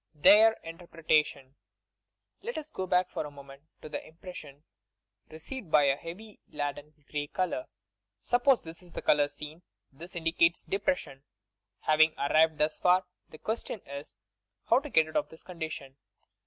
TTTFTR IKTEBFBETATION "Let OS go back for a moment to the impression re ceived by the heavy leaden grey colour. Suppose this with 1 ; the 1 TEST MESSAGES 187 is the colour seen; this indicates depression. Having arrived thos far, the question is: how to get out of tliis condition.